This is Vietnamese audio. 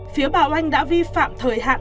phía bảo anh đã vi phạm thời hạn